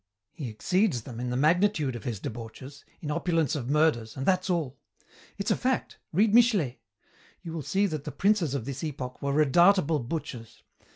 "He exceeds them in the magnitude of his debauches, in opulence of murders, and that's all. It's a fact. Read Michelet. You will see that the princes of this epoch were redoubtable butchers.